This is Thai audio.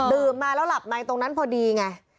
มาแล้วหลับในตรงนั้นพอดีไง